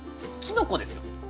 きのこですよ